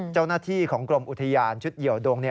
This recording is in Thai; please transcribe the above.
เจ้าหน้าที่ของกรมอุทยานชุดเหี่ยวดง